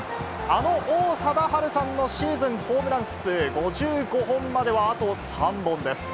あの王貞治さんのシーズンホームラン数５５本まではあと３本です。